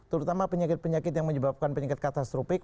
terutama penyakit penyakit yang menyebabkan penyakit katastropik